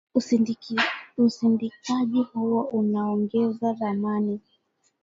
Usindikaji huo utaongeza thamani